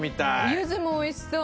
ゆずも美味しそう！